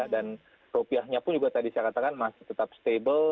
dan rupiahnya pun juga tadi saya katakan masih tetap stable